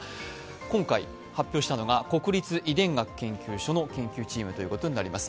今回、発表したのが国立遺伝学研究所の研究チームということになります。